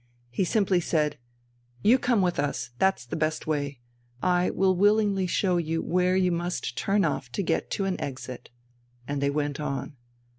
He simply said: "You come with us, that's the best way. I will willingly show you where you must turn off to get to an exit." And they went on.